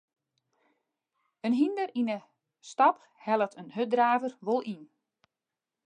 In hynder yn 'e stap hellet in hurddraver wol yn.